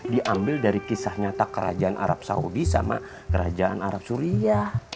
diambil dari kisah nyata kerajaan arab saudi sama kerajaan arab suria